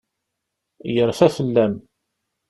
Yerfa fell-am.